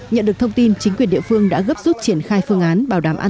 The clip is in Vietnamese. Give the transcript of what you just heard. nhận được thông tin chính quyền địa phương đã gấp rút triển khai phương án bảo đảm an toàn